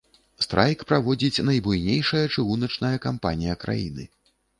Страйк праводзіць найбуйнейшая чыгуначная кампанія краіны.